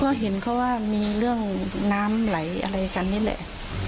ก็เห็นเขาว่ามีเรื่องน้ำไหลอะไรกันนี่แหละ